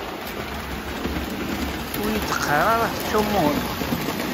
Ur iyi-d-qqaṛ ara teččummuḍ?